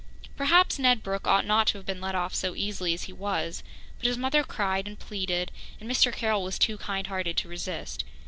Perhaps Ned Brooke ought not to have been let off so easily as he was, but his mother cried and pleaded, and Mr. Carroll was too kind hearted to resist.